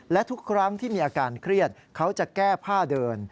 และทุกครั้งที่มีอาการเครียดเขาจะแก้ผ้าเดิน